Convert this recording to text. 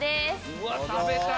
うわ食べたい！